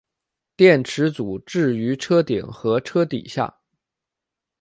电池组置于车顶和车底下。